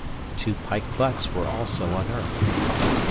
Two pike butts were also unearthed.